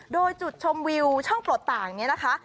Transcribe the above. โดยจุดชมวิวช่องปลดต่างนี้นะคะ